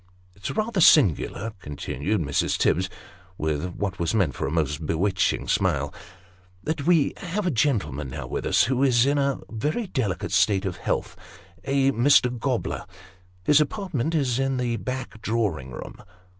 " It's rather singular," continued Mrs. Tibbs, with what was meant for a most 22O Sketches by Boz. bewitching smile, " that we have a gentleman now with us, who is in a very delicate state of health a Mr. Gobler. His apartment is the back drawing room."